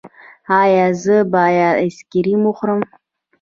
ایا زه باید آیسکریم وخورم؟